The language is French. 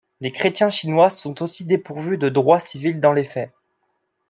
Les chrétiens chinois sont aussi dépourvus de droits civils dans les faits.